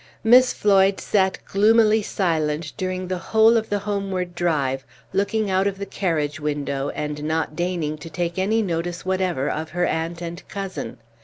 Miss Floyd sat gloomily silent during the whole of the homeward drive, looking out of the carriage window, and not deigning to take any notice whatever of her aunt and cousin.